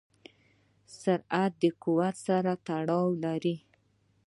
سرعت د قوت سره تړاو لري.